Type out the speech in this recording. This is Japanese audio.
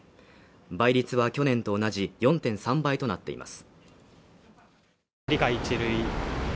倍率は去年と同じ４．３倍となっています。